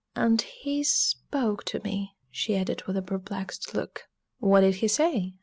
"And he spoke to me," she added with a perplexed look. "What did he say?"